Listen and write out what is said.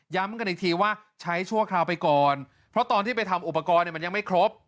กันอีกทีว่าใช้ชั่วคราวไปก่อนเพราะตอนที่ไปทำอุปกรณ์เนี่ยมันยังไม่ครบ